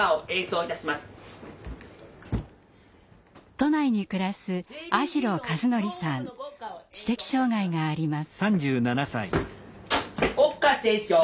都内に暮らす知的障害があります。